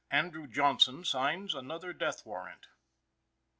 ANDREW JOHNSON SIGNS ANOTHER DEATH WARRANT.